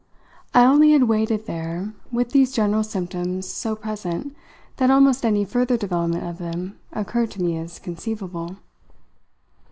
I only had waited there with these general symptoms so present that almost any further development of them occurred to me as conceivable.